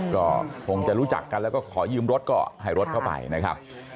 ก็คงจะรู้จักกันแล้วก็ขอยืมรถก็ให้รถเข้าไปนะครับ